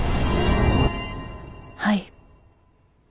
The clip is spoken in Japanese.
はい。